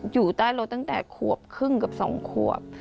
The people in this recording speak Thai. อยู่ใต้รถตั้งแต่ขวบครึ่งกับ๒ขวบ